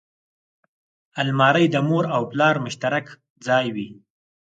الماري د مور او پلار مشترک ځای وي